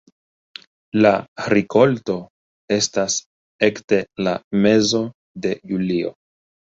La rikolto estas ekde la mezo de julio.